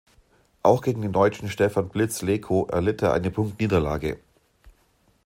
Auch gegen den Deutschen Stefan „Blitz“ Leko erlitt er eine Punktniederlage.